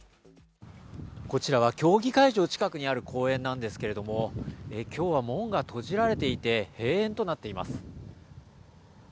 こちらは競技会場近くにある公園なんですけれども今日は門が閉じられていて閉園となっています。